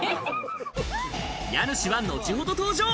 家主は後ほど登場。